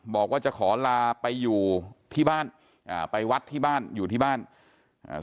บอกว่าจะขอลาไปอยู่ที่บ้านอ่าไปวัดที่บ้านอยู่ที่บ้านอ่า